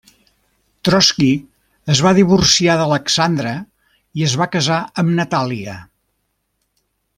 Trotski es va divorciar d'Alexandra i es va casar amb Natàlia.